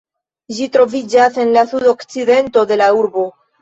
Ĝi troviĝas en la sudokcidento de la urbo.